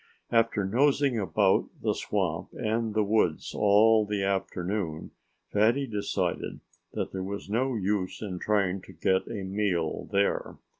After nosing about the swamp and the woods all the afternoon Fatty decided that there was no use in trying to get a meal there.